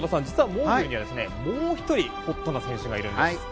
実は、モーグルにはもう１人ホットな選手がいるんです。